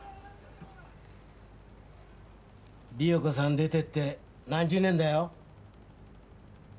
理代子さん出ていって何十年だよ。